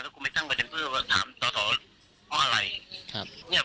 ก็คุณไปตั้งประเทศเพื่อว่าถามสาวเพราะอะไร